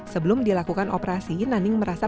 sebelum dilakukan operasi naning merasa